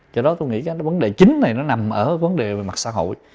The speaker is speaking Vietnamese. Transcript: cho đó tôi nghĩ cái vấn đề chính này nó nằm ở vấn đề về mặt xã hội